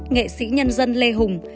nghệ sĩ nhân dân lê hùng